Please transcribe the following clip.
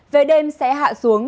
về đêm sẽ hạ xuống